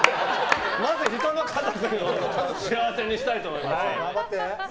まずは人の家族を幸せにしたいと思います。